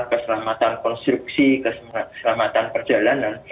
keselamatan konstruksi keselamatan perjalanan